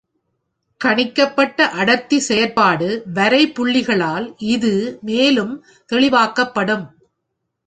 கணிக்கப்பட்ட அடர்த்தி செயற்பாடு வரைபுள்ளிகளால் இது மேலும் தெளிவாக்கப்படும்.